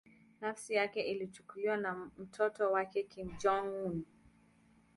Nafasi yake ilichukuliwa na mtoto wake Kim Jong-un.